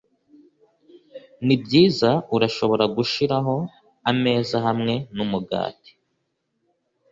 Nibyiza urashobora gushiraho ameza hamwe numugati